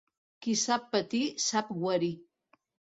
Qui sap patir sap guarir.